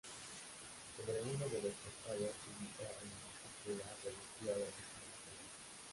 Sobre uno de los costados se ubica una cúpula revestida del mismo material.